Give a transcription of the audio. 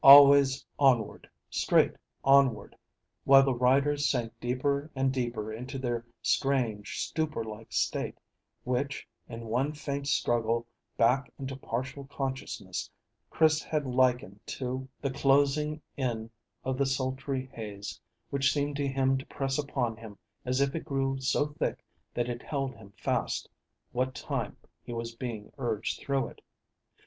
Always onward, straight onward, while the riders sank deeper and deeper into their strange stupor like state, which, in one faint struggle back into partial consciousness, Chris had likened to the closing in of the sultry haze which seemed to him to press upon him as if it grew so thick that it held him fast what time he was being urged through it.